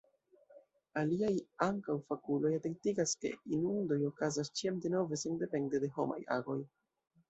Aliaj, ankaŭ fakuloj, atentigas ke inundoj okazas ĉiam denove, sendepende de homaj agoj.